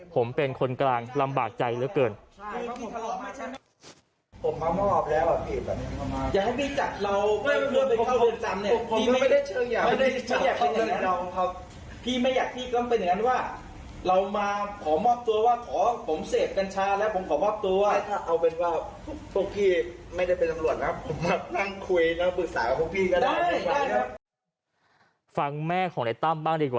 ผมเป็นคนกลางลำบากใจเหลือเกิน